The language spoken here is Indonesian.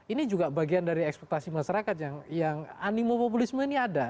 ini juga bagian dari ekspektasi masyarakat yang animo populisme ini ada